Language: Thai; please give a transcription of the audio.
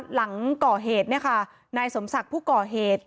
หลังก่อเหตุนายสมศักดิ์ผู้ก่อเหตุ